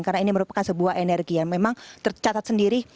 karena ini merupakan sebuah energi yang memang tercatat sendiri